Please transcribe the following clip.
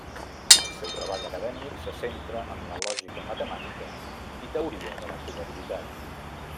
El seu treball acadèmic se centra en la lògica matemàtica i teoria de la probabilitat.